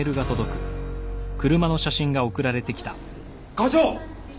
課長！